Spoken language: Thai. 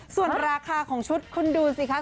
ส่วนราคาของชุดคุณดูสิคะ